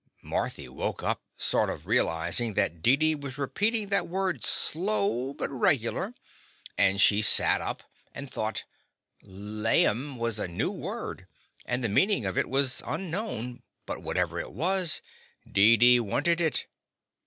Marthy woke up sort of realizin' that Deedee was repeatin' that word slow, but regular, and she sat up and The Confessions of a Daddy thought. "Laim" was a new word, and the meanin' of it was unknown, but, whatever it was, Deedee wanted it.